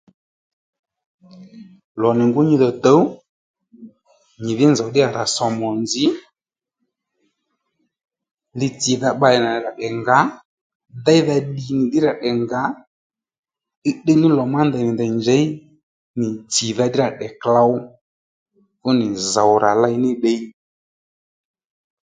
Lò nì ngú nyi dhò tǔw nyì dhí nzòw ddí rà rà somu ò nzǐ litsìdha bbalè nà nì rà tdè ngǎ déydha ddì nì ddí ra tdè ngǎ tdíytdíy ní lò má ndèy nì ndèy njěy nì tsì dha ddí rà tdè klǒw fú nì zòw rà ley ní ddiy